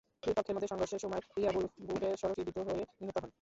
দুই পক্ষের মধ্যে সংঘর্ষের সময় রিয়াবুল বুকে সড়কি বিদ্ধ হয়ে নিহত হন।